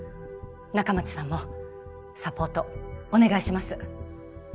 仲町さんもサポートお願いします